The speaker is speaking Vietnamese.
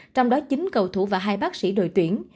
trong đó chín cầu thủ và hai bác sĩ đội tuyển